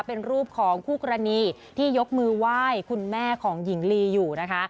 เป็นรูปของคู่กรณีที่ยกมือไหว้คุณแม่ของหญิงลีอยู่นะคะ